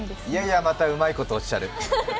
いやいや、またうまいことおっしゃる。